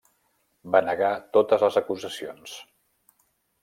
Va negar totes les acusacions.